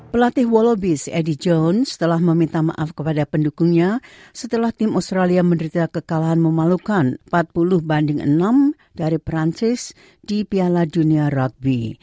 pelatih wallobis edi johns telah meminta maaf kepada pendukungnya setelah tim australia menderita kekalahan memalukan empat puluh banding enam dari perancis di piala dunia rutby